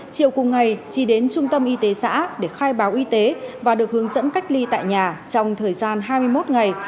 chiều cùng ngày trí đến trung tâm y tế xã để khai báo y tế và được hướng dẫn cách ly tại nhà trong thời gian hai mươi một ngày